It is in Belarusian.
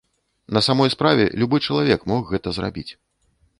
На самой справе, любы чалавек мог гэта зрабіць.